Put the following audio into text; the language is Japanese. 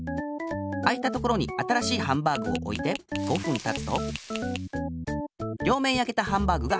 あいたところに新しいハンバーグをおいて５ふんたつと両面やけたハンバーグが１つできあがる。